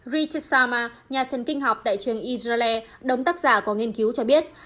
richard salma nhà thân kinh học tại trường israel đống tác giả của nghiên cứu cho biết